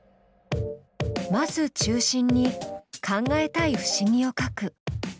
まず中心に考えたい不思議を書く。